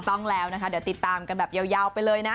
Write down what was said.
ต้องแล้วนะคะเดี๋ยวติดตามกันแบบยาวไปเลยนะ